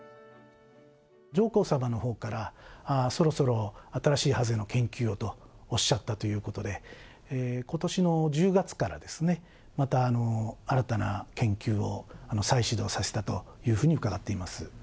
上皇さまのほうから、そろそろ新しいハゼの研究をとおっしゃったということで、ことしの１０月からですね、また新たな研究を再始動させたというふうに伺っております。